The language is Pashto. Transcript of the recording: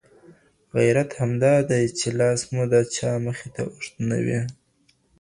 غیرت همدا دی چې لاس مو د چا مخې ته اوږد نه وي.